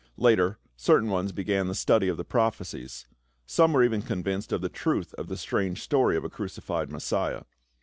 Later certain ones began the study of the prophecies ; some were even convinced of the truth of the strange story of a crucified Messiah.